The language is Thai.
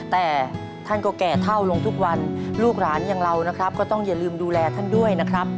แต่ท่านก็แก่เท่าลงทุกวันลูกหลานอย่างเรานะครับก็ต้องอย่าลืมดูแลท่านด้วยนะครับ